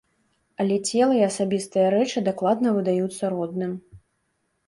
Але цела і асабістыя рэчы дакладна выдаюцца родным.